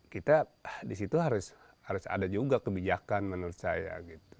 kita di situ harus ada juga kebijakan menurut saya